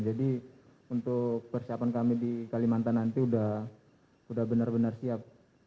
jadi untuk persiapan kami di kalimantan nanti sudah benar benar siap